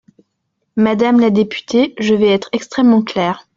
Madame la députée, je vais être extrêmement clair.